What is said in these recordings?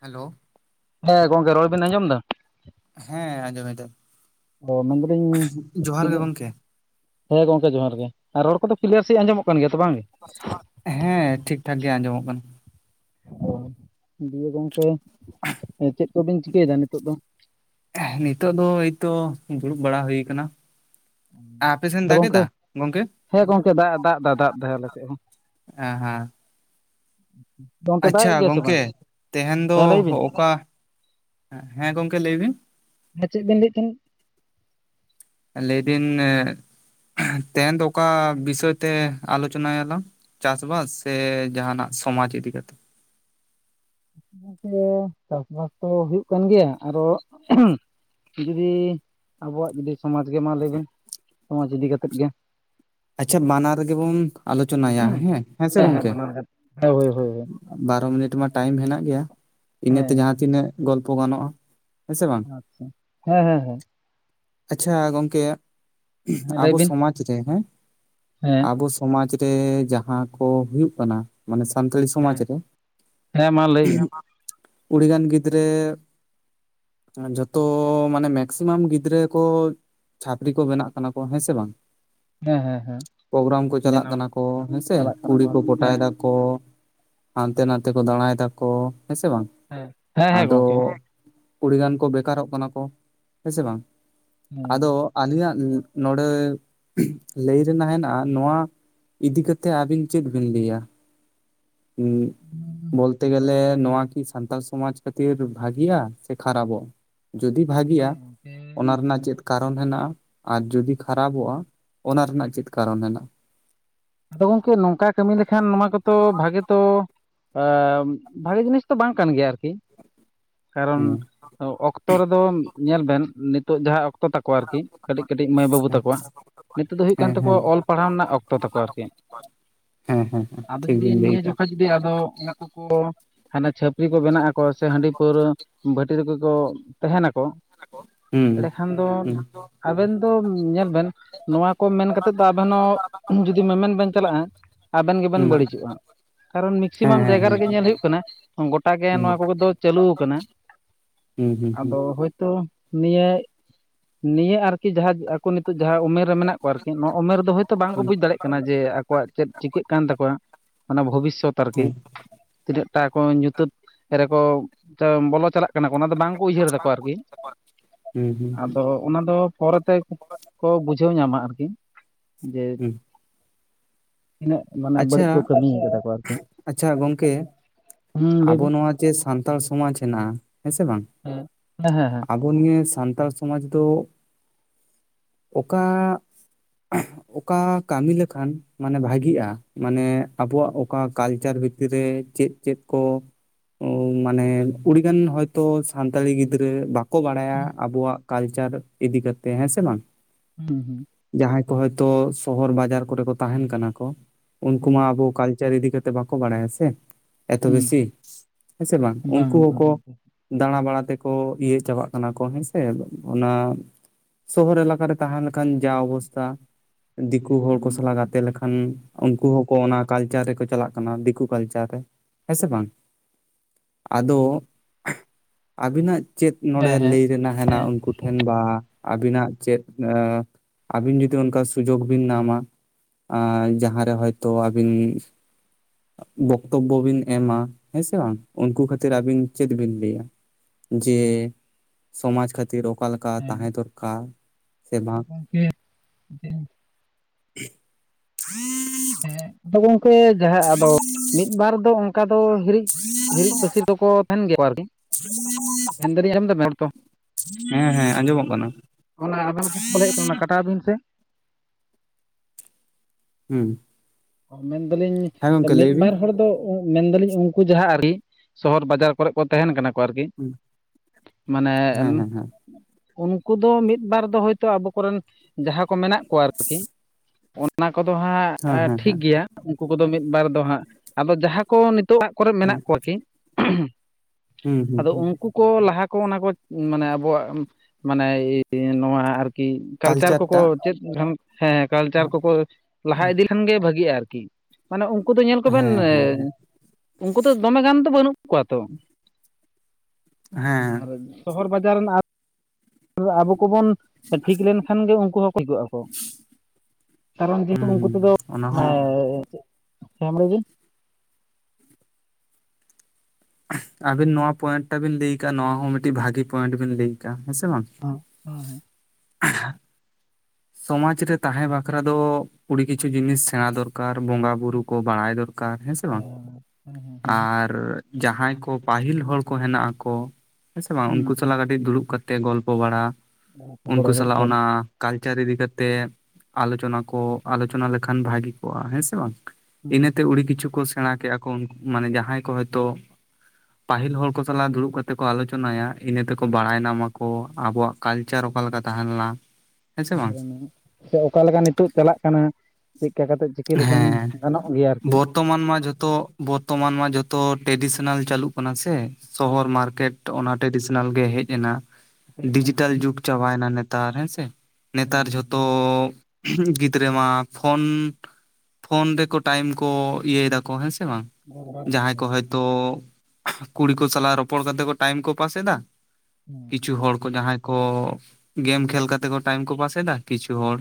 Hello ᱦᱮᱸ ᱜᱚᱝᱠᱮ ᱨᱚᱲ ᱵᱤᱱ ᱟᱸᱡᱚᱢ ᱫᱟ? ᱦᱮᱸ ᱟᱸᱡᱚᱢᱮᱫᱟ᱾ ᱚ ᱢᱮᱱᱫᱟᱞᱤᱧ ᱜᱮ ᱜᱚᱢᱠᱮ ᱦᱮᱸ ᱜᱚᱝᱠᱮ ᱡᱚᱦᱟᱨ ᱜᱮ, ᱟᱨ ᱨᱚᱲ ᱠᱚᱫᱚ ᱠᱤᱞᱤᱭᱟᱨ ᱥᱟᱹᱦᱤᱡ ᱟᱸᱡᱚᱢᱚᱜ ᱠᱟᱱ ᱜᱮᱭᱟ ᱥᱮ ᱵᱟᱝᱜᱮ? ᱦᱮᱸ ᱴᱷᱤᱠ ᱴᱷᱟᱠ ᱜᱮ ᱟᱸᱡᱚᱢᱚᱜ ᱠᱟᱱᱟ᱾ ᱫᱤᱭᱮ ᱜᱚᱝᱠᱮ ᱪᱮᱫ ᱠᱚᱵᱤᱱ ᱪᱤᱠᱟᱹᱭ ᱫᱟ ᱱᱤᱛᱳᱜ ᱫᱚ? ᱱᱤᱛᱳᱜ ᱫᱚ ᱦᱳᱭᱛᱚ ᱫᱩᱲᱩᱵ ᱵᱟᱲᱟ ᱦᱩᱭ ᱠᱟᱱᱟ᱾ ᱟ ᱟᱯᱮᱥᱮᱱ ᱟᱫᱚ ᱜᱚᱝᱠᱮ ᱫᱟᱜᱮᱫᱟ ᱜᱚᱝᱠᱮ? ᱦᱮᱸ ᱜᱚᱝᱠᱮ ᱫᱟᱜ ᱦᱚᱸ ᱫᱟ ᱫᱟᱜ ᱫᱟᱭ ᱠᱟᱫᱟᱭ ᱟᱞᱮ ᱫᱟᱜ ᱫᱚ᱾ ᱥᱮᱫ ᱦᱚᱸ ᱟᱸ ᱦᱟᱸ ᱫᱚ ᱟᱪᱪᱷᱟ ᱜᱚᱝᱠᱮ ᱛᱮᱦᱮᱧ ᱫᱚ ᱞᱟᱹᱭ ᱵᱤᱱ ᱚᱠᱟ, ᱦᱮᱸ ᱜᱚᱝᱠᱮ ᱞᱟᱹᱭ ᱵᱤᱱ? ᱦᱮᱸ ᱪᱮᱫ ᱵᱮᱱ ᱞᱟᱹᱭᱮᱫ ᱛᱟᱦᱮᱸᱱᱟ? ᱞᱟᱹᱭᱫᱤᱱ ᱛᱮᱦᱮᱱ ᱫᱚ ᱚᱠᱟ ᱵᱤᱥᱚᱭ ᱛᱮ ᱟᱞᱳᱪᱚᱱᱟ ᱭᱟᱞᱟᱝ? ᱪᱟᱥᱵᱟᱥ ᱥᱮ ᱡᱟᱦᱟᱱᱟᱜ ᱥᱚᱢᱟᱡᱽ ᱤᱫᱤ ᱠᱟᱛᱮᱜ? ᱱᱚᱛᱮ ᱪᱟᱥᱵᱟᱥ ᱫᱚ ᱦᱩᱭᱩᱜ ᱠᱟᱱ ᱜᱮᱭᱟ, ᱟᱨᱚ ᱡᱩᱫᱤ ᱟᱵᱚᱣᱟᱜ ᱡᱩᱫᱤ ᱥᱚᱢᱟᱡᱽ ᱜᱮ ᱢᱟ ᱞᱟᱹᱭ ᱵᱮᱱ? ᱥᱚᱢᱟᱡᱽ ᱤᱫᱤ ᱠᱟᱛᱮᱫ ᱜᱮ ᱟᱪᱪᱷᱟ ᱵᱟᱱᱟᱨ ᱨᱮᱜᱮ ᱵᱚᱱ ᱟᱞᱳᱪᱚᱱᱟᱭᱟ ᱦᱮᱸ ᱦᱮᱸᱥᱮ ᱦᱮᱸ ᱦᱮᱸ ᱜᱚᱝᱠᱮ? ᱵᱟᱱᱟᱨ ᱜᱮ ᱦᱳᱭ ᱦᱳᱭ ᱦᱳᱭ ᱵᱟᱨᱚ ᱢᱤᱱᱤᱴ ᱢᱟ ᱴᱟᱭᱤᱢ ᱦᱮᱱᱟᱜ ᱜᱮᱭᱟ, ᱤᱱᱟᱹᱛᱮ ᱦᱮᱸ ᱡᱟᱦᱟᱸ ᱛᱤᱱᱟᱹᱜ ᱜᱚᱞᱯᱚ ᱜᱟᱱᱚᱜ-ᱟ᱾ ᱟᱪᱪᱷᱟ, ᱦᱮᱸ ᱦᱮᱸ ᱦᱮᱸ᱾ ᱟᱪᱪᱷᱟ ᱜᱚᱝᱠᱮ ᱦᱮᱸ ᱞᱟᱹᱭ ᱟᱵᱚ ᱵᱤᱱ ᱥᱚᱢᱟᱡ ᱨᱮ ᱦᱮᱸ᱾ ᱦᱮᱸ ᱟᱵᱚ ᱥᱚᱢᱟᱡᱽ ᱨᱮ ᱡᱟᱦᱟᱸ ᱠᱚ ᱦᱩᱭᱩᱜ ᱠᱟᱱᱟ ᱾ ᱢᱟᱱᱮ ᱥᱟᱱᱛᱟᱞᱤ ᱥᱚᱢᱟᱡᱽ ᱦᱮᱸ ᱨᱮ, ᱦᱮᱸ ᱢᱟ ᱞᱟᱹᱭ ᱵᱤᱱ ᱠᱩᱲᱤᱜᱟᱱ ᱜᱤᱫᱽᱨᱟᱹ ᱡᱚᱛᱚ ᱢᱟᱱᱮ ᱢᱮᱠᱥᱤᱢᱟᱢ ᱜᱤᱫᱽᱨᱟᱹ ᱠᱚ ᱪᱷᱟᱯᱨᱤ ᱠᱚ ᱵᱮᱱᱟᱜ ᱠᱟᱱᱟ ᱠᱚ ᱦᱮᱸ ᱥᱮ ᱵᱟᱝ ᱾ ᱦᱮᱸ ᱦᱮᱸ ᱦᱮᱸ᱾ ᱯᱨᱳᱜᱨᱟᱢ ᱠᱚ ᱪᱟᱞᱟᱜ ᱵᱮᱱᱟᱣ ᱠᱟᱱᱟ ᱠᱚ ᱦᱮᱸᱥᱮ, ᱪᱟᱞᱟᱜ ᱠᱟᱱᱟ ᱠᱩᱲᱤ ᱠᱚ ᱟᱨᱠᱤ ᱯᱚᱴᱟᱣ ᱦᱮᱸ ᱫᱟᱠᱚ᱾ ᱦᱟᱱᱛᱮ ᱱᱟᱛᱮ ᱠᱚ ᱫᱟᱲᱟᱭᱮᱫᱟ ᱠᱚ ᱦᱮᱸ ᱥᱮ ᱵᱟᱝ, ᱦᱮᱸ ᱦᱮᱸ ᱦᱮᱸ ᱟᱫᱚ ᱜᱚᱝᱠᱮ ᱩᱲᱤᱜᱟᱱ ᱠᱚ ᱵᱮᱠᱟᱨᱚᱜ ᱠᱟᱱᱟ ᱠᱚ ᱦᱮᱸᱥᱮ ᱵᱟᱝ ᱦᱮᱸ ᱾ ᱟᱫᱚ ᱟᱹᱞᱤᱧᱟᱜ ᱩᱸ ᱱᱚᱰᱮ ᱞᱮᱭ ᱨᱮᱱᱟᱜ ᱦᱮᱱᱟᱜ-ᱟ, ᱱᱚᱣᱟ ᱤᱫᱤ ᱠᱟᱛᱮ ᱟᱵᱤᱱ ᱪᱮᱫ ᱵᱤᱱ ᱞᱮᱭᱟ? ᱩ ᱵᱳᱞᱛᱮ ᱜᱮᱞᱮ ᱱᱚᱣᱟ ᱠᱤ ᱥᱟᱱᱛᱟᱲ ᱥᱟ ᱥᱚᱢᱟᱡ ᱠᱷᱟᱹᱛᱤᱨ ᱵᱷᱟᱜᱤᱜ-ᱟ ᱥᱮ ᱠᱷᱟᱨᱟᱵᱚᱜ ᱡᱩᱫᱤ ᱵᱷᱟᱜᱮᱜ-ᱟ ᱵᱟᱝ ᱜᱚᱝᱠᱮ ᱚᱱᱟ ᱨᱮᱱᱟᱜ ᱪᱮᱫ ᱠᱟᱨᱚᱱ ᱦᱮᱱᱟᱜ-ᱟ ᱟᱨ ᱡᱩᱫᱤ ᱠᱷᱟᱨᱟᱵᱚᱜ-ᱟ ᱚᱱᱟ ᱨᱮᱱᱟᱜ ᱪᱮᱛ ᱠᱟᱨᱚᱱ ᱦᱮᱱᱟᱜ-ᱟ? ᱟᱫᱚ ᱜᱚᱝᱠᱮ ᱱᱚᱝᱠᱟ ᱠᱟᱹᱢᱤ ᱞᱮᱠᱷᱟᱱ ᱱᱚᱣᱟ ᱠᱚᱛᱚ ᱵᱷᱟᱜᱮ ᱛᱚ ᱟᱻ ᱵᱷᱟᱜᱮ ᱡᱤᱱᱤᱥ ᱛᱚ ᱵᱟᱝ ᱠᱟᱱ ᱜᱮᱭᱟ ᱟᱨ ᱠᱤ ᱠᱟᱨᱚᱱ ᱦᱮᱸ ᱚᱠᱛᱚ ᱨᱮᱫᱚ ᱧᱮᱞ ᱵᱮᱱ ᱱᱤᱛᱚᱜ ᱡᱟᱦᱟᱸ ᱚᱠ ᱛᱚ ᱛᱟᱠᱚ ᱟᱨᱠᱤ ᱠᱟᱹᱴᱤᱡ ᱠᱟᱹᱴᱤᱡ ᱢᱟᱹᱭ ᱵᱟᱹᱵᱩ ᱛᱟᱠᱚᱣᱟᱜ, ᱱᱤᱛᱚᱜ ᱫᱚ ᱦᱩᱭᱩᱜ ᱠᱟᱱ ᱦᱮᱸ ᱛᱟᱠᱚᱣᱟ ᱦᱮᱸ ᱦᱮᱸ ᱚᱞ ᱯᱟᱲᱦᱟᱣ ᱨᱮᱱᱟᱜ ᱚᱠᱛᱚ ᱛᱟᱠᱚᱣᱟ ᱟᱨᱠᱤ᱾ ᱜᱮ ᱦᱮᱸ ᱦᱮᱸ ᱦᱮᱸ ᱟᱫᱚ ᱴᱷᱤᱠ ᱡᱩᱫᱤ ᱵᱤᱱ ᱞᱟᱹᱭ ᱱᱤᱭᱟᱹ ᱠᱟᱜᱼᱟ ᱡᱚᱠᱷᱮᱡ ᱡᱩᱫᱤ ᱟᱫᱚ ᱩᱱᱠᱩ ᱠᱚ ᱦᱟᱱᱮ ᱪᱷᱟᱹᱯᱨᱤ ᱠᱚ ᱵᱮᱱᱟᱜ ᱟᱠᱚ ᱥᱮ ᱦᱟᱹᱰᱤ ᱯᱟᱹᱣᱨᱟᱹ ᱵᱷᱟᱹᱴᱤ ᱨᱮᱜᱮ ᱠᱚ ᱛᱟᱦᱮᱱᱟᱠᱚ᱾ ᱦᱩᱸ ᱮᱲᱮᱠᱷᱟᱱ ᱫᱚ ᱦᱩᱸ ᱟᱵᱮᱱ ᱫᱚ ᱧᱮᱞ ᱵᱮᱱ ᱱᱚᱣᱟ ᱠᱚ ᱢᱮᱱ ᱠᱟᱛᱮᱫ ᱫᱚ ᱟᱵᱮᱱ ᱦᱚᱸ ᱡᱩᱫᱤ ᱢᱮᱢᱮᱱ ᱵᱮᱱ ᱪᱟᱞᱟᱜ-ᱟ ᱟᱵᱮᱱ ᱜᱮᱵᱮᱱ ᱦᱩᱸ ᱵᱟᱹᱲᱤᱡᱚᱜ-ᱟ ᱾ ᱠᱟᱨᱚᱱ ᱦᱮᱸ ᱢᱤᱠᱥᱤᱢᱟᱢ ᱦᱮᱸ ᱡᱟᱭᱜᱟ ᱦᱮᱸ ᱨᱮᱜᱮ ᱧᱮᱞ ᱦᱩᱭᱩᱜ ᱠᱟᱱᱟ ᱜᱚᱴᱟ ᱜᱮ ᱦᱩᱸ ᱱᱚᱣᱟ ᱠᱚᱜᱮ ᱫᱚ ᱪᱟᱹᱞᱩᱣ ᱠᱟᱱᱟ᱾ ᱦᱩᱸ ᱦᱩᱸ ᱦᱩᱸ ᱦᱩᱸ ᱟᱫᱚ ᱦᱳᱭᱛᱚ᱾ ᱱᱤᱭᱟᱹ ᱱᱤᱭᱟᱹ ᱟᱨᱠᱤ ᱡᱟᱦᱟᱸ ᱟᱠᱚ ᱱᱤᱛᱚᱜ ᱡᱟᱦᱟᱸ ᱩᱢᱮᱨ ᱨᱮ ᱢᱮᱱᱟᱜ ᱟᱨᱠᱤ ᱱᱚᱣᱟ ᱚᱢᱮᱨ ᱫᱚ ᱦᱳᱭᱛᱚ ᱵᱟᱝᱠᱚ ᱵᱩᱡᱽ ᱫᱟᱲᱮᱜ ᱠᱟᱱᱟ ᱡᱮ ᱟᱠᱚᱣᱟᱜ ᱪᱮᱫ ᱪᱤᱠᱟᱹᱜ ᱠᱟᱱ ᱛᱟᱠᱚᱣᱟ ᱚᱱᱟ ᱵᱷᱚᱵᱤᱥᱥᱚᱛ᱾ ᱦᱮᱸ ᱛᱟᱨᱠᱤ ᱛᱤᱱᱟᱹᱜ ᱴᱟ ᱠᱚ ᱧᱩᱛᱟᱹᱛ ᱨᱮᱠᱚ ᱵᱚᱞᱚ ᱪᱟᱞᱟᱜ ᱠᱟᱱᱟᱠᱚ ᱚᱱᱟ ᱫᱚ ᱵᱟᱝᱠᱚ ᱩᱭᱦᱟᱹᱨ ᱫᱟᱠᱚ ᱟᱨᱠᱤ ᱦᱩᱸ ᱦᱩᱸ ᱟᱫᱚ ᱚᱱᱟ ᱫᱚ ᱯᱚᱨᱮᱛᱮ ᱠᱚ ᱵᱩᱡᱷᱟᱹᱣ ᱧᱟᱢᱟ ᱟᱨᱠᱤ ᱡᱮ ᱦᱩᱸ ᱤᱱᱟᱹᱜ ᱢᱟᱱᱮ ᱟᱪᱪᱷᱟ ᱵᱟᱹᱲᱤᱡ ᱠᱚ ᱠᱟᱹᱢᱤᱭ ᱠᱟᱫᱟ ᱠᱚ ᱟᱨᱠᱤ, ᱟᱪᱪᱷᱟ ᱦᱩᱸ ᱞᱟᱹᱭ ᱵᱤᱱ᱾ ᱪᱮ ᱥᱟᱱᱛᱟᱲ ᱥᱚᱢᱟᱡᱽ ᱦᱮᱱᱟᱜ-ᱟ, ᱦᱮᱸᱥᱮ ᱵᱟᱝ? ᱦᱮᱸ ᱦᱮᱸ ᱦᱮᱸ। ᱟᱵᱚ ᱱᱤᱭᱟᱹ ᱥᱟᱱᱛᱟᱲ ᱥᱚᱢᱟᱡᱽ ᱫᱚ ᱚᱠᱟ ᱚᱠᱟ ᱠᱟᱹᱢᱤ ᱞᱮᱠᱷᱟᱱ ᱢᱟᱱᱮ ᱵᱷᱟᱜᱤᱜ-ᱟ᱾ ᱢᱟᱱᱮ ᱟᱵᱚᱣᱟᱜ ᱚᱠᱟ ᱠᱟᱞᱪᱟᱨ ᱵᱷᱤᱛᱤᱨᱮ ᱪᱮᱫ ᱪᱮᱫ ᱠᱚ ᱳ ᱢᱟᱱᱮ ᱩᱲᱤᱜᱟᱱ ᱦᱚᱭᱛᱚ ᱥᱟᱱᱛᱟᱞᱤ ᱜᱤᱫᱽᱨᱟᱹ ᱵᱟᱠ ᱠᱚ ᱵᱟᱲᱟᱭᱟ ᱟᱵᱚᱣᱟᱜ ᱠᱟᱞᱪᱟᱨ ᱤᱫᱤ ᱠᱟᱛᱮ, ᱦᱮᱸ ᱥᱮ ᱵᱟᱝ? ᱦᱩᱸ ᱦᱩᱸ᱾ ᱡᱟᱦᱟᱭ ᱠᱚ ᱦᱚᱭᱛᱚ ᱥᱚᱦᱚᱨ ᱵᱟᱡᱟᱨ ᱠᱚᱨᱮ ᱠᱚ ᱛᱟᱦᱮᱱ ᱠᱟᱱᱟ ᱠᱚ᱾ ᱩᱱᱠᱩ ᱦᱩᱸ ᱢᱟ ᱟᱵᱚ ᱠᱟᱞᱪᱟᱨ ᱤᱫᱤ ᱠᱟᱛᱮ ᱵᱟᱠᱚ ᱵᱟᱲᱟᱭᱟ ᱥᱮ᱾ ᱮᱛᱚ ᱦᱩᱸ ᱵᱮᱥᱤ ᱦᱮᱸ ᱥᱮ ᱵᱟᱝ, ᱩᱱᱠᱩ ᱵᱟᱝ ᱦᱚᱠᱚ ᱜᱚᱝᱠᱮ ᱫᱟᱲᱟ ᱵᱟᱲᱟ ᱛᱮᱠᱚ ᱤᱭᱟᱹ ᱪᱟᱵᱟᱜ ᱠᱟᱱᱟ ᱠᱚ ᱦᱮᱸᱥᱮ, ᱚᱱᱟ ᱥᱚᱦᱚᱨ ᱮᱞᱟᱠᱟ ᱨᱮ᱾ ᱛᱟᱦᱮᱸ ᱞᱮᱠᱷᱟᱱ ᱡᱟ ᱚᱵᱚᱥᱛᱟ ᱫᱤᱠᱩ ᱦᱚᱲ ᱠᱚ ᱥᱟᱞᱟᱜ ᱜᱟᱛᱮ ᱞᱮᱠᱷᱟᱱ᱾ ᱩᱱᱠᱩ ᱦᱚᱸᱠᱚ ᱚᱱᱟ ᱠᱟᱞᱪᱟᱨ ᱨᱮᱠᱚ ᱪᱟᱞᱟᱜ ᱠᱟᱱᱟ ᱫᱤᱠᱩ ᱠᱟᱞᱪᱟᱨ ᱨᱮ ᱦᱮᱸ ᱥᱮ ᱵᱟᱝ? ᱟᱫᱚ ᱟᱵᱤᱱᱟᱜ ᱪᱮᱫ ᱦᱮᱸ ᱱᱚᱰᱮ ᱞᱟᱹᱭ ᱨᱮᱱᱟᱜ ᱦᱮᱱᱟᱜ ᱦᱮᱸ ᱩᱱᱠᱩᱫ ᱴᱷᱮᱱ ᱵᱟ ᱟᱹᱵᱤᱱᱟᱜ ᱪᱮᱫ ᱮ ᱟᱹᱵᱤᱱ ᱡᱩᱫᱤ ᱚᱱᱠᱟ ᱥᱩᱡᱳᱜ ᱵᱤᱱ ᱧᱟᱢᱟ ᱟ ᱡᱟᱸᱦᱟᱸᱨᱮ ᱦᱚᱭᱛᱚ ᱟᱹᱵᱤᱱ ᱵᱚᱠᱛᱚᱵᱵᱚ ᱵᱤᱱ ᱮᱢᱟ ᱦᱮᱸᱥᱮ ᱵᱟᱝ ᱩᱱᱠᱩ ᱠᱷᱟᱹᱛᱤᱨ ᱟᱹᱵᱤᱱ ᱪᱮᱫ ᱵᱤᱱ ᱞᱟᱹᱭᱟ? ᱡᱮ ᱥᱚᱢᱟᱡᱽ ᱠᱷᱟᱹᱛᱤᱨ ᱨᱚ ᱚᱠᱟᱞᱮᱠᱟ ᱦᱮᱸ ᱛᱟᱦᱮᱸ ᱫᱚᱨᱠᱟᱨ ᱥᱮ ᱵᱟᱝ ᱦᱮᱸ [unintelligible] ᱦᱮᱸ ᱟᱫᱚ ᱜᱚᱝᱠᱮ ᱡᱟᱦᱟᱸ ᱟᱫᱚ ᱢᱤᱫ ᱵᱟᱨ ᱫᱚ ᱚᱱᱠᱟ ᱫᱚ ᱦᱤᱨᱤᱡ ᱦᱤᱨᱤᱡ ᱯᱟᱹᱥᱤᱨ ᱫᱚᱠᱚ ᱛᱟᱦᱮᱱ ᱜᱮᱭᱟ ᱟᱨᱠᱤ ᱢᱮᱱᱫᱟᱞᱤᱧ ᱟᱸᱡᱚᱢ ᱫᱟᱵᱮᱱ ᱨᱚᱲ ᱛᱚ ᱦᱮᱸ ᱦᱮᱸ ᱟᱸᱡᱚᱢᱚᱜ ᱠᱟᱱᱟ ᱚᱱᱟ ᱟᱵ ᱴᱷᱮᱱ ᱠᱳᱞ ᱦᱮᱡ ᱠᱟᱱᱟ ᱚᱱᱟ ᱠᱟᱴᱟᱣ ᱵᱤᱱ ᱥᱮ ᱦᱩᱸ ᱢᱮᱱᱫᱟᱹᱞᱤᱧ ᱢᱤᱫ ᱵᱤᱱ ᱵᱟᱨ ᱦᱚᱲ ᱫᱚ ᱩ ᱢᱮᱱᱫᱟᱹᱞᱤᱧ ᱩᱝᱠᱩ ᱡᱟᱦᱟᱸ ᱟᱨᱤ ᱥᱚᱦᱚᱨ ᱵᱟᱡᱟᱨ ᱠᱚᱨᱮᱜ ᱠᱚ ᱛᱟᱦᱮᱱ ᱠᱟᱱᱟ ᱠᱚ ᱟᱨᱠᱤ ᱢᱟᱱᱮ ᱦᱮᱸ ᱦᱮᱸ ᱦᱮᱸ ᱩᱱᱠᱩ ᱫᱚ ᱢᱤᱫ ᱵᱟᱨ ᱫᱚ ᱦᱚᱭᱛᱚ ᱟᱵᱚ ᱠᱚᱨᱮᱱ ᱡᱟᱦᱟᱸ ᱠᱚ ᱢᱮᱱᱟᱜ ᱠᱚᱣᱟ ᱟᱨᱠᱤ ᱚᱱᱟ ᱠᱚᱫᱚ ᱦᱟᱸᱜ ᱦᱮᱸ ᱦᱮᱸ ᱦᱮᱸ ᱠᱮᱭᱟ ᱩᱱᱠᱩ ᱠᱚᱫᱚ ᱢᱤᱫ ᱵᱟᱨ ᱫᱚ ᱦᱟᱸᱜ ᱟᱫᱚ ᱡᱟᱦᱟᱸ ᱠᱚ ᱱᱤᱛᱚᱜ ᱚᱲᱟᱜ ᱠᱚᱨᱮ ᱢᱮᱱᱟᱜ ᱠᱚᱣᱟ ᱠᱤ ᱦᱩᱸ ᱦᱩᱸ ᱟᱫᱚ ᱦᱩᱸ ᱩᱝᱠᱩ ᱠᱚ ᱞᱟᱦᱟ ᱠᱚ ᱚᱱᱟ ᱠᱚ ᱢᱟᱱᱮ ᱟᱵᱚᱣᱟᱜ ᱢᱟᱱᱮ ᱱᱚᱣᱟ ᱟᱨ ᱠᱤ ᱠᱟᱞᱪᱟᱨ ᱠᱚᱠᱚ ᱪᱮᱫ ᱠᱷᱟᱱ ᱦᱮᱸ ᱠᱟᱞᱪᱟᱨ ᱠᱚᱠᱚ ᱞᱟᱦᱟ ᱤᱫᱤ ᱠᱷᱟᱱ ᱜᱮ ᱵᱷᱟᱹᱜᱤᱜᱼᱟ ᱟᱨᱠᱤ ᱢᱟᱱᱮ ᱩᱱᱠᱩ ᱫᱚ ᱧᱮᱞ ᱠᱚᱵᱮᱱ ᱦᱮᱸ ᱮ ᱦᱮᱸ ᱩᱝᱠᱩ ᱫᱚ ᱫᱚᱢᱮ ᱜᱟᱱ ᱫᱚ ᱵᱟᱹᱱᱩᱜ ᱠᱚᱣᱟ ᱛᱚ ᱦᱮᱸ ᱟᱨ ᱥᱚᱦᱚᱨ ᱵᱟᱡᱟᱨ ᱨᱮᱱ ᱟᱛᱽ ᱟᱵᱚ ᱠᱚᱵᱚᱱ ᱴᱷᱤᱠ ᱞᱮᱱᱠᱷᱟᱱ ᱜᱮ ᱚᱝᱠᱳ ᱦᱚᱸ ᱠᱚ ᱴᱷᱤᱠᱚᱜ ᱟᱠᱚ ᱠᱟᱨᱚᱱ ᱡᱮᱦᱮᱛᱩ ᱦᱩᱸ ᱩᱝᱠᱩ ᱛᱮᱫᱚ ᱚᱱᱟ ᱢᱟ ᱦᱚᱸ ᱪᱮᱜ ᱟᱪᱪᱷᱟ ᱟᱢ ᱞᱟᱹᱭ ᱢᱮ ᱟᱵᱤᱱ ᱱᱚᱣᱟ ᱯᱚᱭᱮᱱᱴ ᱴᱟ ᱵᱤᱱ ᱞᱮᱭ ᱠᱟᱜᱼᱟ ᱱᱚᱣᱟ ᱦᱚᱸ ᱢᱤᱜᱴᱤᱡ ᱵᱷᱟᱜᱤ ᱯᱚᱭᱮᱱᱴ ᱵᱤᱱ ᱞᱮᱭ ᱠᱟᱜᱟ ᱦᱮᱸᱥᱮ ᱵᱟᱝ? ᱦᱚ ᱦᱩ ᱦᱩ ᱥᱚᱢᱟᱡ ᱨᱮ ᱛᱟᱦᱮᱸ ᱵᱟᱠᱷᱨᱟ ᱫᱚ ᱩᱲᱤ ᱠᱤᱪᱷᱩ ᱡᱤᱱᱤᱥ ᱥᱮᱬᱟ ᱫᱚᱨ ᱠᱟᱨ ᱵᱚᱸᱜᱟ ᱵᱩᱨᱩ ᱠᱚ ᱵᱟᱲᱟᱭ ᱫᱚᱨᱠᱟᱨ ᱦᱮᱸ ᱥᱮ ᱵᱟᱝ ᱦᱮᱸ ᱦᱮᱸ ᱦᱮᱸ ᱟᱨ ᱡᱟᱦᱟᱸᱭ ᱠᱚ ᱯᱟᱹᱦᱤᱞ ᱦᱚᱲ ᱠᱚ ᱦᱮᱱᱟᱜ ᱟᱠᱚ ᱦᱮᱸᱥᱮ ᱵᱟᱝ ᱩᱱᱠᱩ ᱦᱮᱸ ᱥᱟᱞᱟᱜ ᱠᱟᱹᱴᱤᱡ ᱫᱩᱲᱩᱵ ᱠᱟᱛ ᱛᱮ ᱜᱚᱞᱯᱚ ᱵᱟᱲᱟ [inaudible] ᱠᱩ ᱥᱟᱞᱟᱜ ᱚᱱᱟ ᱠᱟᱞᱪᱟᱨ ᱤᱫᱤ ᱠᱟᱛᱮ ᱟᱞᱳᱪᱚᱱᱟ ᱠᱚ ᱦᱮᱸ ᱟᱞᱳᱪᱚᱱᱟ ᱞᱮ ᱠᱷᱟᱱ ᱵᱷᱟᱹᱜᱤ ᱠᱚᱜᱼᱟ ᱦᱮᱸ ᱥᱮ ᱵᱟᱝ? ᱤᱱᱟᱹᱛᱮ ᱦᱮᱸ ᱩᱲᱤ ᱠᱤᱪᱷᱩ ᱠᱚ ᱥᱤ ᱥᱮᱬᱟ ᱠᱮᱜᱼᱟ ᱠᱚ ᱩᱱ ᱢᱟᱱᱮ ᱡᱟᱦᱟᱸᱭ ᱠᱚ ᱦᱚᱭᱛᱳ ᱯᱟᱹᱦᱤᱞ ᱦᱚᱲ ᱠᱚ ᱥᱟᱞᱟᱜ ᱫᱩᱲᱩᱵ ᱠᱟᱛᱮ ᱠᱚ ᱟᱞᱳᱪᱚᱱᱟᱭᱟ ᱤᱱᱟᱹ ᱛᱮᱠᱚ ᱵᱟᱲᱟᱭ ᱱᱟᱢᱟ ᱠᱚ ᱟᱵᱚᱣᱟᱜ ᱠᱟᱞᱪᱟᱨ ᱚᱠᱟᱞᱮᱠᱟ ᱛᱟᱦᱮᱸ ᱞᱮᱱᱟ ᱥᱮ ᱚᱠᱟᱞᱮᱠᱟ ᱱᱤᱛᱳᱜ ᱪᱟᱞᱟᱜ ᱠᱟᱱᱟ ᱪᱮᱜᱠᱟ ᱠᱟᱛᱮ ᱪᱤ ᱠᱟᱹ ᱞᱮᱠᱷᱟᱱ ᱜᱟᱱᱚᱜ ᱜᱮᱭᱟ ᱟᱨᱠᱤ ᱛᱚ ᱢᱟᱱ ᱢᱟ ᱡᱷᱚᱛᱚ ᱵᱚᱨᱛᱚᱢᱟᱱ ᱢᱟ ᱡᱷᱚᱛᱚ ᱴᱮᱰᱤᱥᱚᱱᱟᱞ ᱪᱟᱹᱞᱩᱜ ᱠᱟᱱᱟ ᱥᱮ ᱥᱚᱦᱚᱨ ᱢᱟᱨᱠᱮᱴ ᱚᱱᱟ ᱴᱮᱰᱤᱥᱚᱱᱟᱞ ᱜᱮ ᱦᱮᱡ ᱮᱱᱟ ᱦᱮᱸ ᱰᱤᱡᱤᱴᱟᱞ ᱟᱨᱠᱤ ᱡᱩᱜᱽ ᱪᱟᱵᱟᱭᱮᱱᱟ ᱱᱮᱛᱟᱨ ᱦᱮᱸᱥᱮ ᱱᱮᱛᱟᱨ ᱡᱷᱚᱛᱚ ᱜᱤᱫᱽᱨᱟᱹ ᱢᱟ ᱯᱷᱳᱱ ᱯᱷᱳᱱ ᱨᱮᱠᱚ ᱴᱟᱭᱤᱢ ᱠᱚ ᱤᱭᱟᱹᱭ ᱫᱟᱠᱚ ᱦᱮᱸ ᱥᱮ ᱵᱟᱝ ᱡᱟᱦᱟᱸᱭ ᱠᱚ ᱦᱚᱭᱛᱚ ᱠᱩᱲᱤ ᱠᱚ ᱥᱟᱞᱟᱜ ᱨᱚᱯᱚᱲ ᱠᱟᱛᱮᱜ ᱠᱚ ᱴᱟᱭᱤᱢ ᱠᱚ ᱯᱟᱥᱮᱫᱟ᱾ ᱦᱩᱸ ᱠᱤᱪᱷᱩ ᱦᱚᱲ ᱠᱚ ᱡᱟᱦᱟᱸᱭ ᱠᱚ ᱜᱮᱢ ᱠᱷᱮᱞ ᱠᱟᱛᱮ ᱠᱚ ᱴᱟᱭᱤᱢ ᱠᱚ ᱯᱟᱥ ᱮᱫᱟ, ᱠᱤᱪᱷᱩ ᱦᱚᱲ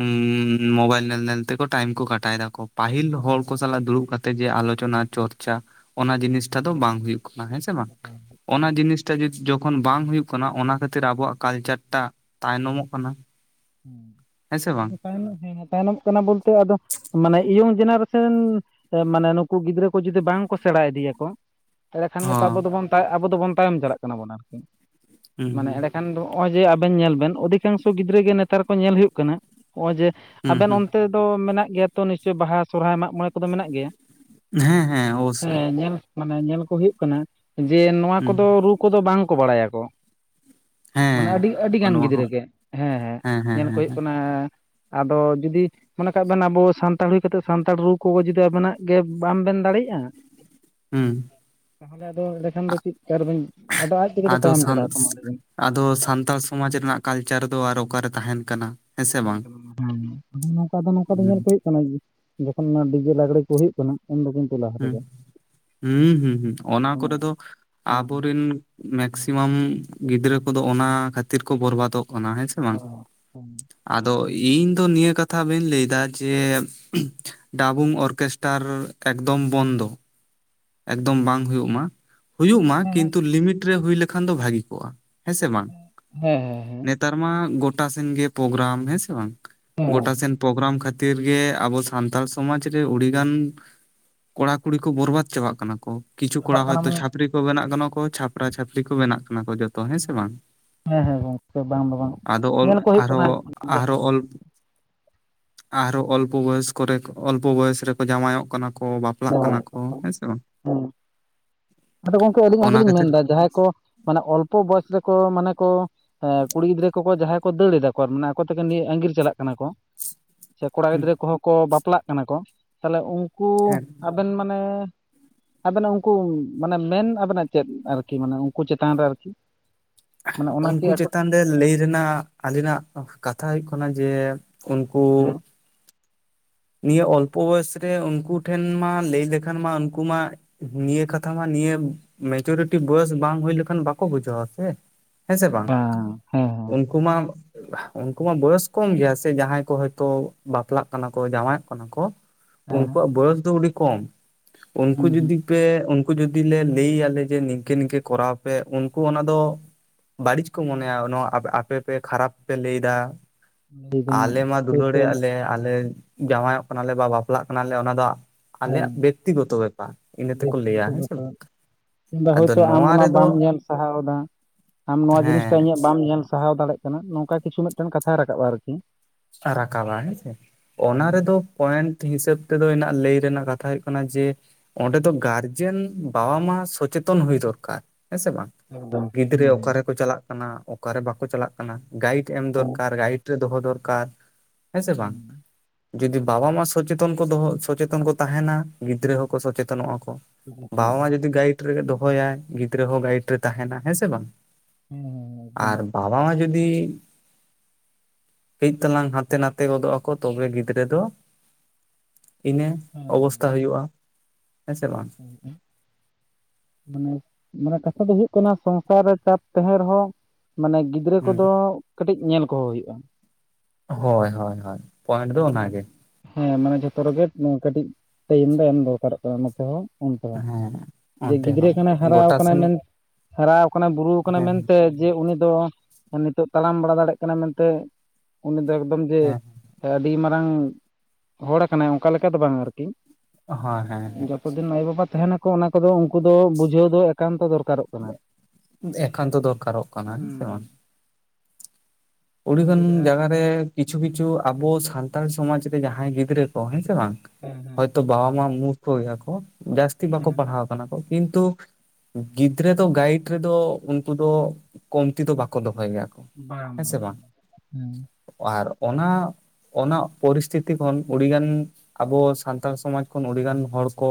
ᱩᱸᱻ ᱢᱳᱵᱟᱭᱤᱞ ᱧᱮᱞ ᱧᱮᱞ ᱛᱮᱠᱚ ᱴᱟᱭᱤᱢ ᱠᱚ ᱠᱟᱴᱟᱭ ᱫᱟᱠᱚ ᱯᱟᱹᱦᱤᱞ ᱦᱚᱲ ᱠᱚ ᱥᱟᱞᱟᱜ ᱫᱩᱲᱩᱵ ᱠᱟᱛᱮ ᱛᱮ ᱡᱮ ᱟᱞᱳᱪᱚᱱᱟ ᱪᱚᱨᱪᱟ ᱚᱱᱟ ᱡᱤᱱᱤᱥᱴᱟ ᱫᱚ ᱵᱟᱝ ᱦᱩᱭᱩᱜ ᱠᱟᱱᱟ ᱦᱮᱸ ᱥᱮ ᱵᱟᱝ, ᱚᱱᱟ ᱡᱤᱱᱤᱥᱴ ᱡᱩ ᱡᱚᱠᱷᱚᱱ ᱵᱟᱝ ᱦᱩᱭᱩᱜ ᱠᱟᱱᱟ ᱚᱱᱟ ᱠᱷᱟᱹᱛᱤᱨ ᱟᱵᱚᱣᱟᱜ ᱠᱟᱞᱪᱟᱨ ᱴᱟᱜ ᱛᱟᱭᱱᱚᱢᱚᱜ ᱠᱟᱱᱟ ᱾ ᱟᱫᱚ ᱛᱟᱭᱱᱚᱢ ᱛᱮ, ᱛᱟᱭᱱᱚᱢ ᱛᱮᱱᱟᱜ ᱵᱚᱞᱛᱮ ᱟᱫᱚ ᱢᱟᱱᱮ ᱤᱭᱚᱝ ᱡᱮᱱᱟᱨᱮᱥᱮᱱ, ᱢᱟᱱᱮ ᱱᱩᱠᱩ ᱜᱤᱫᱽᱨᱟᱹ ᱠᱚ ᱡᱩᱫᱤ ᱵᱟᱝᱠᱚ ᱥᱮᱬᱟ ᱤᱫᱤᱭᱟᱠᱚ ᱮᱸᱲᱮ ᱠᱷᱟᱱ ᱜᱮᱛᱚ ᱟᱵᱚ ᱦᱚᱸ ᱫᱚ ᱵᱚᱱ ᱛᱟᱭ ᱟᱵᱚ ᱫᱚᱵᱚᱱ ᱛᱟᱭᱚᱢ ᱪᱟᱞᱟᱜ ᱠᱟᱱᱟᱵᱚᱱ ᱟᱨᱠᱤ, ᱦᱩᱸ ᱢᱟᱱᱮ ᱦᱩᱸ ᱮᱸᱲᱮ ᱠᱷᱟᱱ ᱫᱚ ᱦᱚᱜᱼᱚᱭ ᱡᱮ ᱟᱵᱮᱱ ᱧᱮᱞ ᱵᱮᱱ ᱚᱫᱷᱤᱠᱟᱝᱥᱚ ᱜᱤᱫᱽᱨᱟᱹ ᱜᱮ ᱱᱮᱛᱟᱨ ᱠᱚ ᱧᱮᱞ ᱦᱩᱭᱩᱜ ᱠᱟᱱᱟ, ᱦᱚᱜᱼᱚᱭ ᱡᱮ ᱦᱩᱸ ᱟᱵᱮᱱ ᱦᱩᱸ ᱚᱱᱛᱮ ᱛᱚ ᱢᱮᱱᱟᱜ ᱜᱮᱭᱟ ᱛᱚ ᱱᱤᱥᱪᱳᱭ ᱵᱟᱦᱟ ᱥᱚᱨᱦᱟᱭ ᱢᱟᱜ ᱢᱚᱸᱬᱮ ᱠᱚᱫᱚ ᱢᱮᱱᱟᱜ ᱜᱮᱭᱟ ᱦᱮᱸ ᱦᱮᱸ ᱾ ᱚᱵᱚᱥᱥᱳᱭ ᱦᱮᱸ ᱧᱮᱞ ᱢᱟᱱᱮ ᱧᱮᱞ ᱠᱚ ᱦᱩᱭᱩᱜ ᱠᱟᱱᱟ, ᱡᱮ ᱱᱚᱣᱟ ᱦᱩᱸ ᱠᱚᱫᱚ ᱨᱩ ᱠᱚᱫᱚ ᱵᱟᱝ ᱠᱚ ᱵᱟᱲᱟᱭᱟᱠᱚ᱾ ᱢᱟᱱᱮ ᱦᱮᱸ ᱟᱹᱰᱤ ᱟᱹᱰᱤᱜᱟᱱ ᱱᱚᱣᱟ ᱜᱤᱫᱽᱨᱟᱹ ᱦᱚᱸ ᱜᱮ ᱦᱮᱸ ᱦᱮᱸ ᱧᱮᱞ ᱠᱚ ᱦᱩᱭᱩᱜ ᱠᱟᱱᱟ ᱾ ᱟᱫᱚ ᱡᱩᱫᱤ ᱢᱚᱱᱮ ᱠᱟᱜ ᱵᱮᱱ ᱟᱵᱚ ᱥᱟᱱᱛᱟᱲ ᱦᱩᱭ ᱠᱟᱛᱮᱫ, ᱥᱟᱱᱛᱟᱲ ᱨᱩ ᱠᱚ ᱡᱩᱫᱤ ᱟᱵᱮᱱᱟᱜ ᱜᱮ ᱵᱟᱝ ᱵᱮᱱ ᱫᱟᱲᱮᱭᱟᱜᱼᱟ ᱦᱩᱸ ᱛᱟᱦᱚᱞᱮ ᱟᱫᱚ ᱮᱲᱮ ᱠᱷᱟᱱ ᱫᱚ ᱪᱤᱫᱠᱟ ᱨᱮᱵᱤᱱ ᱟᱫᱚ ᱟᱡ ᱛᱮᱜᱮ ᱛᱚ ᱟᱫᱚ ᱛᱟᱭᱚᱢ ᱥᱟᱱ ᱪᱟᱞᱟᱜᱼᱟ ᱟᱫᱚ ᱢᱟ ᱞᱮᱭᱵᱤᱱ᱾ ᱟᱫᱚ ᱥᱟᱱᱛᱟᱲ ᱥᱚᱢᱟᱡᱽ ᱨᱮᱱᱟᱜ ᱠᱟᱞᱪᱟᱨ ᱫᱚ ᱟᱨᱦᱚ ᱚᱠᱟᱨᱮ ᱛᱟᱦᱮᱱ ᱠᱟᱱᱟ᱾ ᱦᱮᱸ ᱥᱮ ᱛᱟᱦᱮᱱ ᱵᱟᱝ ᱠᱟᱱᱟ [unintelligible] ᱟᱫᱚ ᱱᱚᱝᱠᱟ ᱫᱚ ᱱᱚᱝᱠᱟ ᱫᱚ ᱧᱮᱞ ᱦᱩᱸ ᱠᱚ ᱦᱩᱭᱩᱜ ᱠᱟᱱᱟ ᱡᱮ ᱡᱚᱠᱷᱚᱱ ᱚᱱᱟ ᱰᱤᱡᱮ ᱞᱟᱜᱽᱲᱮ ᱠᱚ ᱦᱩᱭᱩᱜ ᱠᱟᱱᱟ ᱩᱱ ᱫᱚ ᱠᱤᱱᱛᱩ ᱞᱟ ᱦᱩᱸ- ᱦᱩᱸᱦᱩᱸᱦᱩᱸ ᱚᱱᱟ ᱦᱮᱸ ᱠᱚᱨᱮ ᱫᱚ ᱦᱮᱸ ᱟᱵᱚᱨᱤᱱ ᱢᱮᱠᱥᱤᱢᱟᱢ ᱜᱤᱫᱽᱨᱟᱹ ᱠᱚᱫᱚ ᱚᱱᱟ ᱠᱷᱟᱹᱛᱤᱨ ᱠᱚ ᱵᱚᱨᱵᱟᱫᱚᱜ ᱠᱟᱱᱟ ᱦᱮᱸ ᱥᱮ ᱾ ᱚᱻ ᱦᱮᱸ᱾ ᱟᱫᱚ ᱤᱧ ᱫᱚ ᱱᱤᱭᱟᱹ ᱠᱟᱛᱷᱟ ᱵᱟᱹᱧ ᱞᱟᱹᱭ ᱮᱫᱟ ᱡᱮ ᱰᱟᱵᱩᱝ ᱚᱨᱜᱮᱥᱴᱟᱨ ᱮᱠᱫᱚᱢ ᱵᱚᱱᱫᱚ ᱾ ᱮᱠᱫᱚᱢ ᱵᱟᱝ ᱦᱩᱭᱩᱜ ᱢᱟ, ᱦᱩᱭᱩᱜ ᱢᱟ ᱦᱮᱸ ᱠᱤᱱᱛᱩ ᱞᱤᱢᱤᱴ ᱨᱮ ᱦᱩᱭ ᱞᱮᱠᱷᱟᱱ ᱫᱚ ᱵᱷᱟᱹᱜᱤ ᱠᱚᱜᱼᱟ ᱾ ᱦᱮᱸᱥᱮ ᱵᱟᱝ, ᱦᱮᱸ ᱦᱮᱸ ᱦᱮᱸ ᱱᱮᱛᱟᱨ ᱢᱟ ᱜᱚᱴᱟ ᱥᱮᱱ ᱜᱮ ᱯᱨᱳᱜᱨᱟᱢ ᱦᱮᱸ ᱥᱮ ᱵᱟᱝ᱾ ᱦᱮᱸ ᱦᱮᱸ ᱜᱚᱴᱟ ᱥᱮᱱ ᱯᱨᱳᱜᱨᱟᱢ ᱠᱷᱟᱹᱛ ᱛᱤᱨ ᱜᱮ ᱟᱵᱚ ᱥᱟᱱᱛᱟᱲ ᱥᱚᱢᱟᱡᱽ ᱨᱮ ᱟᱹᱲᱤᱜᱟᱱ ᱠᱚᱲᱟ ᱠᱩᱲᱤ ᱠᱚ ᱵᱚᱨᱵᱟᱫ ᱪᱟᱵᱟᱜ ᱠᱟᱱᱟ ᱠᱚ ᱠᱤᱪᱷᱩ ᱠᱚᱲᱟ ᱪᱟᱵᱟᱜ ᱠᱟᱱᱟ ᱦᱚᱭᱛᱳ ᱢᱟᱱᱮ ᱪᱷᱟᱯᱨᱤ ᱠᱚ ᱵᱮᱱᱟᱜ ᱠᱟᱱᱟ ᱠᱚ, ᱪᱷᱟᱯᱨᱟ ᱪᱷᱟᱯᱨᱤ ᱠᱚ ᱵᱮᱱᱟᱜ ᱠᱟᱱᱟ ᱠᱚ ᱡᱚᱛ ᱛᱚ ᱦᱮᱸ ᱥᱮ ᱵᱟᱝ᱾ ᱦᱮᱸ ᱦᱮᱸ ᱜᱚᱝᱠᱮ ᱵᱟᱝ ᱫᱚ ᱵᱟᱝ ᱟᱫᱚ ᱚᱞ ᱧᱮᱞ ᱠᱚ ᱦᱩᱭᱩᱜ ᱠᱟᱱᱟ ᱟᱨᱦᱚᱸ ᱡᱟᱦᱟᱸ ᱟᱨᱦᱚᱸ ᱚᱞ ᱟᱨᱦᱚᱸ ᱚᱞᱯᱚ ᱵᱚᱭᱚᱥ ᱠᱚᱨᱮ ᱚᱞᱯᱚ ᱵᱚᱭᱚᱥ ᱨᱮᱠᱚ ᱡᱟᱶᱟᱭᱚᱜ ᱠᱟᱱᱟ ᱠᱚ ᱾ ᱵᱟᱯᱞᱟᱜ ᱠᱟᱱᱟ ᱠᱚᱸ ᱦᱮᱸ ᱥᱮ ᱵᱟᱝ᱾ ᱦᱮᱸ ᱟᱫᱚ ᱜᱚᱢᱠᱮ ᱟᱹᱞᱤᱧᱟᱜ ᱚᱱᱟ ᱜᱮᱞᱤᱧ ᱠᱷᱟᱹᱛᱤᱨ ᱢᱮᱱᱫᱟ, ᱡᱟᱦᱟᱸᱭ ᱠᱚ ᱢᱟᱱᱮ ᱚᱞᱯᱚ ᱵᱚᱭᱮᱥ ᱨᱮᱠᱚ ᱢᱟᱱᱮ ᱠᱚ ᱮᱸ ᱠᱩᱲᱤ ᱜᱤᱫᱽᱨᱟᱹ ᱠᱚᱠᱚ ᱡᱟᱦᱟᱸᱭ ᱠᱚ ᱫᱟᱹᱲ ᱫᱟ ᱠᱚ ᱢᱟᱱᱮ ᱟᱠᱚ ᱛᱮᱜᱮ ᱱᱤᱭᱟᱹ ᱟᱸᱜᱤᱨ ᱪᱟᱞᱟᱜ ᱠᱟᱱᱟ ᱠᱚ ᱾ ᱥᱮ ᱠᱚᱲᱟ ᱜᱤᱫᱽᱨᱟᱹ ᱠᱚᱦᱚᱸ ᱠᱚ ᱵᱟᱯᱞᱟᱜ ᱠᱟᱱᱟ ᱠᱚ, ᱛᱟᱦᱞᱮ ᱩᱱᱠᱩ ᱦᱮᱸ ᱟᱹᱵᱤᱱ ᱢᱟᱱᱮ ᱟᱹᱵᱤᱱᱟᱜ ᱩᱱᱠᱩ ᱢᱟᱱᱮ ᱢᱮᱱ ᱟᱹᱵᱤᱱᱟᱜ ᱪᱮᱫ ᱟᱨᱠᱤ ᱢᱟᱱᱮ ᱩᱱᱠᱩ ᱪᱮᱛᱟᱱ ᱨᱮ ᱟᱨᱠᱤ? ᱢᱟᱱᱮ ᱚᱱᱟᱠᱤ ᱩᱱᱠᱩ ᱟᱠᱚ ᱪᱮᱛᱟᱱ ᱨᱮ ᱞᱟᱹᱭ ᱨᱮᱱᱟᱜ ᱟᱹᱞᱤᱧ ᱱᱟᱜ ᱠᱟᱛᱷᱟ ᱦᱩᱭᱩᱜ ᱠᱟᱱᱟ ᱡᱮ ᱩᱱ ᱠᱩ ᱦᱮᱸ ᱱᱤᱭᱟᱹ ᱚᱞᱯᱚ ᱵᱚᱭᱚᱥᱨᱮ ᱩᱱᱠᱩ ᱴᱷᱮᱱ ᱢᱟ ᱞᱟᱹᱭ ᱞᱮᱠᱷᱟᱱ ᱢᱟ ᱩᱱᱠᱩ ᱢᱟ ᱱᱤᱭᱟᱹ ᱠᱟᱛᱷᱟ ᱢᱟ ᱱᱤᱭᱟᱹ ᱢᱮᱪᱩᱨᱤᱴᱤ ᱵᱚᱭᱮᱥ ᱵᱟᱝ ᱦᱩᱭ ᱞᱮᱠᱷᱟᱱ ᱵᱟᱠᱚ ᱵᱩᱡᱷᱟᱹᱣᱟ ᱥᱮ ᱾ ᱵᱟᱝ ᱦᱮᱸ ᱩᱱᱠᱩ ᱢᱟ ᱩᱱᱠᱩ ᱢᱟ ᱵᱚᱭᱚᱥ ᱠᱚᱢ ᱜᱮᱭᱟ ᱥᱮ ᱡᱟᱦᱟᱸᱭ ᱠᱚ ᱦᱚᱭᱛᱳ ᱵᱟᱯᱞᱟᱜ ᱠᱟᱱᱟ ᱠᱚ ᱡᱟᱶᱟᱭᱚᱜ ᱠᱟᱱᱟ ᱠᱚ, ᱦᱮᱸ ᱩᱱᱠᱩᱣᱟᱜ ᱵᱚᱭᱚᱥ ᱫᱚ ᱩᱰᱤ ᱠᱚᱢ᱾ ᱩᱱᱠᱩ ᱦᱩᱸ ᱦᱩᱸ ᱡᱩᱫᱤ ᱯᱮ ᱩᱱᱠᱩ ᱡᱩᱫᱤ ᱞᱮ ᱞᱟᱹᱭ ᱟᱞᱮ ᱡᱮ ᱱᱤᱝᱠᱟᱹ ᱱᱤᱝᱠᱟᱹ ᱠᱚᱨᱟᱣ ᱯᱮ᱾ ᱩᱱᱠᱩ ᱚᱱᱟ ᱫᱚ ᱵᱟᱹᱲᱤᱪ ᱠᱚ ᱢᱚᱱᱮᱭᱟ ᱱᱚᱣᱟ ᱟᱯ-ᱟᱯᱮ ᱯᱮ ᱠᱷᱟᱨᱟᱯ ᱯᱮ ᱞᱟᱹᱭ ᱫᱟ᱾ ᱞᱟᱹᱭᱫᱟᱹᱧ ᱟᱞᱮ ᱢᱟ ᱦᱳᱭᱛᱳ ᱫᱩᱞᱟᱹᱲᱮᱜ ᱟᱞᱮ, ᱟᱞᱮ ᱡᱟᱶᱟᱭᱚᱜ ᱠᱟᱱᱟᱞᱮ ᱵᱟ ᱵᱟᱯᱞᱟᱜ ᱠᱟᱱᱟᱞᱮ ᱚᱱᱟ ᱫᱚ ᱟᱞᱮᱭᱟᱜ ᱵᱮᱠᱛᱤᱜᱚᱛᱚ ᱵᱮᱯᱟᱨ ᱤᱱᱟᱹ ᱛᱮᱠᱚ ᱞᱟᱹᱭᱟ ᱦᱮᱸ ᱥᱮ ᱵᱟᱝ? ᱟᱫᱚ ᱦᱚᱭᱛᱳ ᱟᱢ ᱱᱚᱣᱟ ᱚᱱᱟ ᱨᱮᱫᱚ ᱵᱟᱢ ᱧᱮᱞ ᱥᱟᱦᱟᱣ ᱫᱟ᱾ ᱟᱢ ᱱᱚᱣᱟ ᱡᱤᱱᱤᱥᱴᱟ ᱦᱮᱸ ᱤᱧᱟᱹᱜ ᱵᱟᱢ ᱧᱮᱞ ᱥᱟᱦᱟᱣ ᱫᱟᱲᱮᱜ ᱠᱟᱱᱟ ᱱᱚᱝᱠᱟ ᱠᱤᱪᱷᱩ ᱢᱤᱫᱴᱮᱱ ᱠᱟᱛᱷᱟᱭ ᱨᱟᱠᱟᱵᱼᱟ ᱟᱨᱠᱤ᱾ ᱨᱟᱠᱟᱵᱟ ᱦᱮᱸᱥᱮ᱾ ᱚᱱᱟ ᱨᱮᱫᱚ ᱯᱚᱭᱮᱱᱴ ᱦᱤᱥᱟᱹᱵ ᱛᱮᱫᱚ ᱤᱱᱟᱜ ᱞᱟᱹᱭ ᱨᱮᱱᱟᱜ ᱠᱟᱛᱷᱟ ᱦᱩᱭᱩᱜ ᱠᱟᱱᱟ ᱡᱮ ᱚᱸᱰᱮ ᱫᱚ ᱜᱟᱨᱡᱮᱱ ᱵᱟᱵᱟ ᱢᱟ ᱥᱚᱪᱮᱛᱚᱱ ᱦᱩᱭ ᱫᱚᱨᱠᱟᱨ, ᱦᱮᱸ ᱥᱮ ᱵᱟᱝ? ᱮᱠᱫᱚᱢ ᱜᱤᱫᱽᱨᱟᱹ ᱦᱩᱸ ᱚᱠᱟ ᱨᱮᱠᱚ ᱪᱟᱞᱟᱜ ᱠᱟᱱᱟ, ᱚᱠᱟ ᱨᱮ ᱵᱟᱠᱚ ᱪᱟᱞᱟᱜ ᱠᱟᱱᱟ, ᱜᱟᱭᱤᱰ ᱮᱢ ᱦᱩᱸ ᱫᱚᱨᱠᱟᱨ ᱜᱟᱭᱤ ᱪᱟᱹ ᱫᱚᱦᱚ ᱫᱚᱨᱠᱟᱨ ᱦᱮᱸ ᱥᱮ ᱵᱟᱝ? ᱡᱩᱫᱤ ᱵᱟᱵᱟ ᱢᱟ ᱥᱚᱪᱮᱛᱚᱱ ᱠᱚ ᱫᱚᱦᱚ ᱥᱚᱪᱮᱛᱚᱱ ᱠᱚ ᱛᱟᱦᱮᱸᱱᱟ ᱜᱤᱫᱽᱨᱟᱹ ᱦᱚᱸᱠᱚ ᱥᱚᱪᱮᱛᱚᱱᱚᱜᱼᱟ ᱠᱚ᱾ ᱦᱩᱸ ᱦᱩᱸ ᱵᱟᱵᱟ ᱢᱟ ᱡᱩᱫᱤ ᱜᱟᱭᱤᱴ ᱨᱮᱜᱮ ᱫᱚᱦᱚᱭᱟᱭ, ᱜᱤᱫᱽᱨᱟᱹ ᱦᱚᱸ ᱜᱟᱭᱤᱰ ᱨᱮ ᱛᱟᱦᱮᱱᱟ ᱦᱮᱸ ᱥᱮ ᱵᱟᱝ? ᱦᱮᱸ ᱟᱨ ᱵᱟᱵᱟ ᱢᱟ ᱡᱩᱫᱤ ᱠᱟᱹᱡ ᱛᱟᱞᱟᱝ ᱦᱟᱛᱮ ᱱᱟᱛᱮ ᱜᱚᱫᱚᱜ ᱟᱠᱚ ᱛᱚᱵᱮ ᱜᱤᱫᱽᱨᱟᱹ ᱫᱚ ᱤᱱᱟᱹ ᱦᱮᱸ ᱚᱵᱚᱥᱛᱟ ᱮᱠᱫᱚᱢ ᱦᱩᱭᱩᱜᱼᱟ᱾ ᱦᱮᱸ ᱥᱮ ᱵᱟᱝ? ᱦᱮᱸ ᱢᱟᱱᱮ ᱢᱟᱱᱮ ᱠᱟᱛᱷᱟ ᱫᱚ ᱦᱩᱭᱩᱜ ᱠᱟᱱᱟ ᱥᱚᱝᱥᱟᱨ ᱨᱮ ᱪᱟᱯ ᱛᱟᱦᱮᱸᱱ ᱨᱮᱦᱚᱸ ᱢᱟᱱᱮ ᱜᱤ ᱫᱨᱟᱹ ᱦᱩᱸ ᱠᱚᱫᱚ ᱠᱟᱹᱴᱤᱡ ᱧᱮᱞ ᱠᱚᱦᱚᱸ ᱦᱩᱭᱩᱜᱼᱟ᱾ ᱦᱳᱭ ᱦᱳᱭ ᱦᱳᱭ, ᱯᱚᱭᱮᱱᱴ ᱫᱚ ᱢᱟᱱᱮ ᱚᱱᱟᱜᱮ᱾ ᱦᱮᱸ ᱢᱟᱱᱮ ᱡᱷᱚᱛᱚ ᱨᱮᱜᱮ ᱢᱟᱸ ᱠᱟᱹᱴᱤᱡ ᱴᱟᱭᱤᱢ ᱫᱚ ᱮᱢ ᱫᱚᱨᱠᱟᱨᱚᱜ ᱠᱟᱱᱟ ᱱᱚᱛᱮ ᱦᱚ᱾ ᱚᱱᱛᱮ ᱦᱚᱸ ᱦᱮᱸ ᱡᱮ ᱚᱱᱛᱮ ᱜᱤᱫᱽᱨᱟᱹ ᱦᱚᱸ ᱠᱟᱱᱟᱭ ᱦᱟᱨᱟᱣ ᱜᱚᱴᱟ ᱠᱟᱱᱟᱭ ᱥᱮᱱ ᱢᱮᱱ ᱦᱟᱨᱟᱣ ᱠᱟᱱᱟᱭ ᱵᱩᱨᱩᱣ ᱠᱟᱱᱟᱭ ᱦᱮᱸ ᱢᱮᱱᱛᱮ ᱡᱮ ᱩᱱᱤ ᱫᱚ ᱚᱸ ᱱᱤᱛᱚᱜ ᱛᱟᱲᱟᱢ ᱵᱟᱲᱟ ᱫᱟᱲᱮᱜ ᱠᱟᱱᱟ ᱢᱮᱱᱛᱮ ᱩᱱᱤ ᱫᱚ ᱮᱜ ᱠᱚᱢ ᱡᱮ ᱦᱮᱸ ᱟᱹᱰᱤ ᱢᱟᱨᱟᱝ ᱦᱚᱲ ᱠᱟᱱᱟᱭ ᱚᱝᱠᱟ ᱞᱮᱠᱟ ᱫᱚ ᱵᱟᱝ ᱟᱨᱠᱤ᱾ ᱦᱮᱸ ᱦᱮᱸ ᱦᱮᱸ ᱡᱟᱹᱛᱚ ᱫᱤᱱ ᱟᱭᱳᱼᱵᱟᱵᱟ ᱛᱟᱦᱮᱱᱟ ᱠᱚ ᱚᱱᱟ ᱠᱚᱫᱚ ᱩᱱᱠᱩ ᱫᱚ ᱵᱩᱡᱷᱟᱹᱣ ᱫᱚ ᱮᱠᱟᱱᱛᱚ ᱫᱚᱨᱠᱟᱨᱚᱜ᱾ ᱠᱟᱱᱟ ᱮᱠᱟᱱᱛᱚ ᱫᱚᱨᱠᱟᱨᱚᱜ ᱠᱟᱱᱟ, ᱦᱮᱸ ᱥᱮ ᱵᱟᱝ? ᱦᱩᱸ ᱱᱚᱜᱼᱚᱭ ᱚᱰᱤᱜᱟᱱ ᱡᱮ ᱡᱟᱦᱟᱸ ᱡᱟᱜᱟ ᱨᱮ ᱠᱤᱪᱷᱩ ᱠᱤᱪᱷᱩ ᱟᱵᱚ ᱥᱟᱱᱛᱟᱲ ᱥᱚᱢᱟᱡᱽ ᱨᱮ ᱡᱟᱦᱟᱸᱭ ᱜᱤᱫᱽᱨᱟᱹ ᱠᱚ, ᱦᱮᱸ ᱥᱮ ᱵᱟᱝ? ᱦᱮᱸ ᱦᱚᱭᱛᱳ ᱵᱟᱵᱟ ᱢᱟ ᱢᱩᱨᱩᱠᱷ ᱜᱮᱭᱟ ᱠᱚ, ᱡᱟᱹᱥᱛᱤ ᱦᱮᱸ ᱵᱟᱠᱚ ᱦᱮᱸ ᱯᱟᱲᱦᱟᱣ ᱠᱟᱱᱟ ᱠᱚ, ᱠᱤᱱᱛᱩ ᱜᱤᱫᱽᱨᱟᱹ ᱫᱚ ᱜᱟᱭᱤᱰ ᱨᱮᱫᱚ ᱩᱱᱠᱩ ᱫᱚ ᱠᱚᱢᱛᱤ ᱫᱚ ᱵᱟᱠᱚ ᱫᱚᱦᱚᱭ ᱜᱮᱭᱟ ᱠᱚ᱾ ᱵᱟᱝ ᱦᱮᱸ ᱥᱮ ᱩᱸ᱾ ᱟᱨ ᱚᱱᱟ ᱚᱱᱟ ᱯᱚᱨᱤᱥᱛᱷᱤᱛᱤ ᱠᱷᱚᱱ ᱩᱰᱤᱜᱟᱱ ᱟᱵᱚ ᱥᱟᱱᱛᱟᱲ ᱥᱚᱢᱟᱡᱽ ᱠᱷᱚᱱ ᱩᱰᱤᱜᱟᱱ ᱦᱚᱲ ᱠᱚ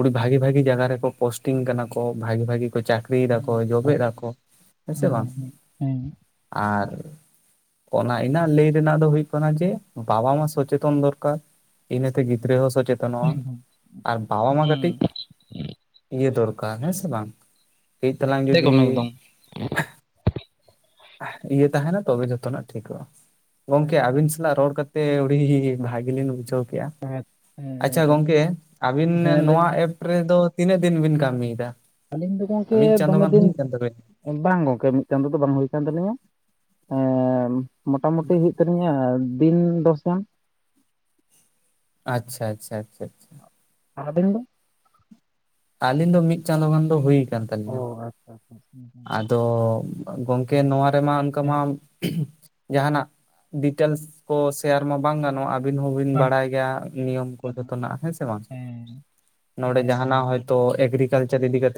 ᱩᱰᱤ ᱵᱷᱟᱜᱤ ᱵᱷᱟᱜᱤ ᱡᱟᱝᱟ ᱨᱮᱠᱚ ᱯᱳᱥᱴᱤᱝ ᱠᱟᱱᱟ ᱠᱚ, ᱵᱷᱟᱜᱤ ᱵᱷᱟᱜᱤ ᱠᱚ ᱪᱟᱠ ᱨᱤᱭ ᱫᱟᱠᱚ ᱦᱩᱸ ᱡᱚᱵᱮ ᱫᱟᱠᱚ, ᱦᱮᱸ ᱥᱮ ᱵᱟᱝ? ᱦᱩᱸ᱾ ᱟᱨ ᱚᱱᱟ ᱤᱱᱟ ᱞᱟᱹᱭ ᱨᱮᱱᱟᱜ ᱫᱚ ᱦᱩᱭᱩᱜ ᱠᱟᱱᱟ ᱡᱮ ᱵᱟᱵᱟ ᱢᱟ ᱥᱚᱪᱮᱛᱚᱱ ᱫᱚᱨᱠᱟᱨ᱾ ᱤᱱᱟᱹ ᱛᱮ ᱜᱤᱫᱽᱨᱟᱹ ᱦᱚᱸ ᱥᱚᱪᱮ ᱛᱚᱱᱚᱼᱟ ᱦᱮᱸ ᱟᱨ ᱵᱟᱵᱟ ᱢᱟ ᱠᱟᱹᱴᱤᱡ ᱦᱮᱸ ᱤᱭᱟᱹ ᱫᱚᱨᱠᱟᱨ, ᱦᱮᱸ ᱥᱮ ᱵᱟᱝ? ᱠᱟᱹᱡ ᱛᱟᱞᱟᱝ ᱡᱩᱫᱤ ᱮᱠᱫᱚᱢ ᱦᱩᱸ ᱮᱠᱫᱚᱢ ᱤᱭᱟᱹ ᱛᱟᱦᱮᱱᱟ ᱛᱚᱵᱮ ᱡᱚᱛᱚᱱᱟᱜ ᱴᱷᱤᱠᱚᱜᱼᱟ, ᱜᱚᱝᱠᱮ ᱮᱠᱫᱚᱢ ᱟᱵᱤᱱ ᱥ [unintelligible] ᱨᱚᱲ ᱠᱟᱛᱮ ᱩᱰᱤ ᱦᱤ-ᱦᱤ ᱵᱷᱟᱜᱤᱞᱤᱧ ᱵᱩᱡᱷᱟᱣ ᱠᱮᱼᱟ, ᱟᱪᱪᱷᱟ ᱜᱚᱝᱠᱮ ᱟᱹᱵᱤᱱ ᱱᱮ ᱦᱮᱸ ᱞᱟᱹᱭ ᱱᱚᱣᱟ ᱵᱤᱱ᱾ ᱮᱯ ᱨᱮᱫᱚ ᱛᱤᱱᱟᱹᱜ ᱫᱤᱱ ᱵᱤᱱ ᱠᱟᱹᱢᱤᱭ ᱫᱟ? ᱟᱹᱞᱤᱧ ᱫᱚ ᱜᱚᱢᱠᱮᱻ ᱫᱚᱢᱮ ᱫᱤᱱ ᱵᱟᱝ ᱜᱚᱝᱠᱮ ᱢᱤᱫ ᱪᱟᱸᱫᱳ ᱫᱚ ᱵᱟᱝ ᱦᱩᱭ ᱠᱟᱱᱟᱱ ᱛᱟᱞᱤᱧᱟ, ᱮᱸᱻ ᱢᱚᱴᱟ ᱢᱩᱴᱤ ᱛᱟᱞᱤᱧᱟᱻ ᱫᱤᱱ ᱫᱚᱥ ᱜᱟᱱ᱾ ᱟᱪᱪᱷᱟ ᱟᱪᱪᱷᱟ ᱟᱪᱪᱷᱟ᱾ ᱟᱨ ᱟᱵᱮᱱ ᱫᱚ? ᱟᱹᱞᱤᱱ ᱫᱚ ᱢᱤᱫ ᱪᱟᱸᱫᱳ ᱜᱟᱱ ᱫᱚ ᱦᱩᱭᱩ ᱟᱠᱟᱱ ᱚ ᱛᱟᱹᱞᱤᱧᱟ᱾ ᱟᱪᱪᱷᱟ ᱟᱪᱪᱷᱟ᱾ ᱟᱫᱚᱻ ᱜᱚᱢᱠᱮ ᱱᱚᱣᱟ ᱨᱮᱢᱟ ᱚᱱᱠᱟ ᱦᱮᱸ ᱢᱟ ᱡᱟᱦᱱᱟᱜ, ᱰᱤᱴᱮᱞᱥ ᱠᱚ ᱥᱮᱭᱟᱨ ᱢᱟ ᱵᱟᱝ ᱜᱟᱱᱚᱜ-ᱟ᱾ ᱟᱵᱤᱱ ᱦᱚᱸᱵᱤᱱ ᱵᱟᱝ ᱵᱟᱲᱟᱭ ᱜᱮᱭᱟ ᱱᱤᱭᱚᱢ ᱠᱚ ᱡᱚᱛᱚᱱᱟᱜ ᱦᱮᱸ ᱥᱮ ᱵᱟᱝ? ᱦᱮᱸ ᱱᱚᱰᱮ ᱦᱮᱸ ᱡᱟᱦᱱᱟᱜ ᱦᱮᱸ ᱦᱚᱭᱛᱳ ᱮᱜᱨᱤᱠᱟᱞᱪᱟᱨ ᱤᱫᱤᱠᱟᱛᱮ ᱠᱟᱛᱮᱜ